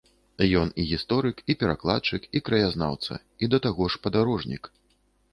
Ён і гісторык, і перакладчык, і краязнаўца, і да таго ж падарожнік.